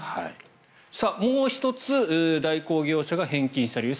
もう１つ代行業者が返金した理由。